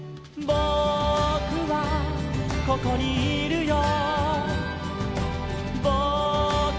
「ぼくはここにいるよ」